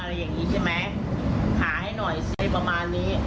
อย่างงี้ใช่ไหมหาให้หน่อยสิประมาณนี้